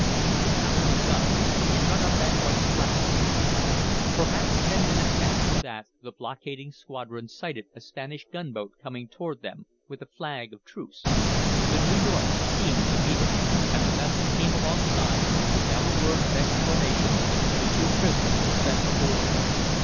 "It will have to be done, and run up that white flag." Perhaps ten minutes after that the blockading squadron sighted a Spanish gunboat coming toward them with a flag of truce. The New York steamed to meet it; and the vessel came alongside and without a word of explanation the two prisoners were sent aboard.